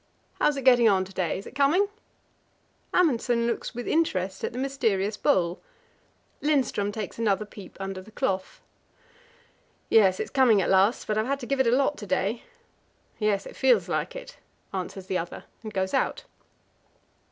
"How's it getting on to day is it coming?" Amundsen looks with interest at the mysterious bowl. Lindström takes another peep under the cloth. "Yes, it's coming at last; but I've had to give it a lot to day." "Yes, it feels like it," answers the other, and goes out.